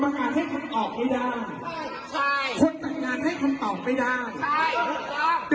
การให้คำตอบไม่ได้ใช่คนแต่งงานให้คำตอบไม่ได้ใช่